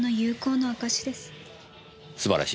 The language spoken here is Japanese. なお素晴らしい。